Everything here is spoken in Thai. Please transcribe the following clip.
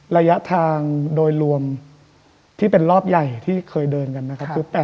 ระยะทางโดยรวมที่เป็นรอบใหญ่ที่เคยเดินกันนะครับ